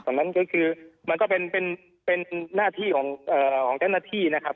ตอนนั้นก็คือมันก็เป็นหน้าที่ของเจ้าหน้าที่นะครับ